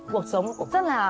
cuộc sống cũng rất là